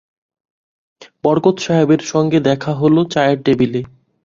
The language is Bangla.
বরকত সাহেবের সঙ্গে দেখা হল চায়ের টেবিলে।